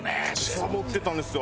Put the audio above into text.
サボってたんですよ。